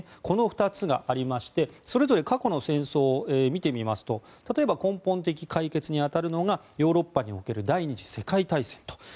この２つがありましてそれぞれ過去の戦争を見てみますと例えば、根本的解決に当たるのがヨーロッパにおける第２次世界大戦と。